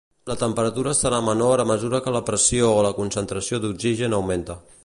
La temperatura serà menor a mesura que la pressió o la concentració d'oxigen augmenta.